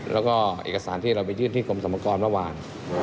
แล้วก็เอกสารที่เราไปยื่นที่กรมสรรพากรเมื่อวาน